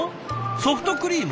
ソフトクリーム？